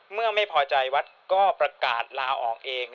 เมื่อไม่พอใจวัดก็ประกาศลาออกเอง